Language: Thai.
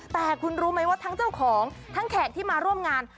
แต่คุณรู้ไหมว่าทั้งเจ้าของทั้งแขกที่มาร่วมงาน